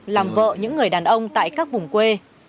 làm vợ những người đàn ông tại các vùng quê